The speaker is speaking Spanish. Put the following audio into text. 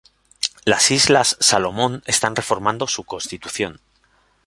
Las Islas Salomón están reformando su Constitución.